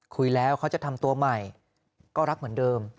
คุยแล้วเขาจะทำตัวใหม่ก็รักเหมือนเดิม